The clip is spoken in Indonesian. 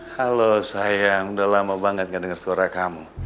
halo sayang udah lama banget gak denger suara kamu